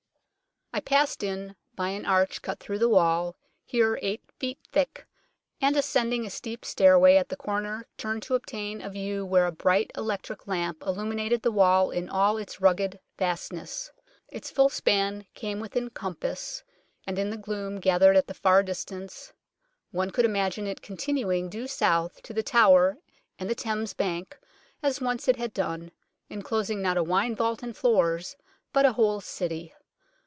I passed in by an arch cut through the wall, here eight feet thick, and ascending a steep stair way at a corner turned to obtain a view where a bright electric lamp illuminated the wall in all its rugged vastness. Its full span came within compass, and in the gloom gathered at the far distance one could imagine it continuing due south to The Tower and the Thames bank, as once it had done, enclosing not a wine vault and floors, but a whole city.